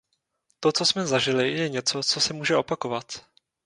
To, co jsme zažili, je něco, co se může opakovat.